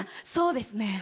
そうですね。